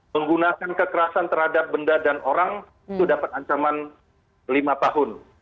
menggunakan kekerasan terhadap benda dan orang itu dapat ancaman lima tahun